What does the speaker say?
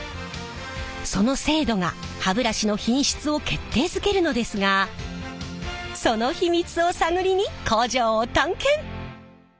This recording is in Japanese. その精度が歯ブラシの品質を決定づけるのですがその秘密を探りに工場を探検！